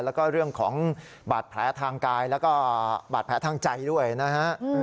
แล้วก็เรื่องของบาดแผลทางกายแล้วก็บาดแผลทางใจด้วยนะฮะ